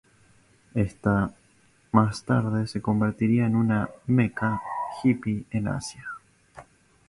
Esta más tarde se convertiría en una "mecca" hippie en Asia.